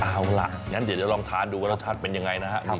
เอาล่ะงั้นเดี๋ยวจะลองทานดูว่ารสชาติเป็นยังไงนะครับ